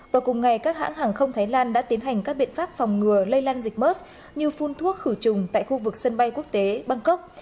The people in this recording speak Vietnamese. và cùng ngày các hãng hàng không thái lan đã tiến hành các biện pháp phòng ngừa lây lan dịch mus như phun thuốc khử trùng tại khu vực sân bay quốc tế bangkok